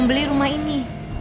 beli rumah ini